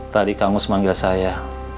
tadi kamu semanggil saya